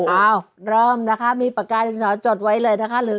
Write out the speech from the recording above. อ้าวเริ่มนะคะมีปากกาดินสอจดไว้เลยนะคะ